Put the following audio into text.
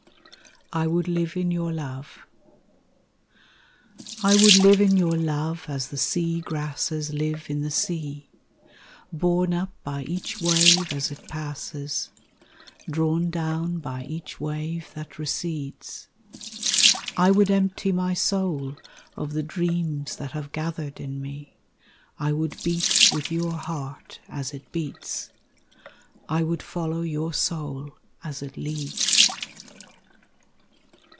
I Would Live in Your Love I would live in your love as the sea grasses live in the sea, Borne up by each wave as it passes, drawn down by each wave that recedes; I would empty my soul of the dreams that have gathered in me, I would beat with your heart as it beats, I would follow your soul as it leads.